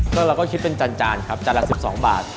ก็เราก็คิดเป็นจานครับจานละ๑๒บาท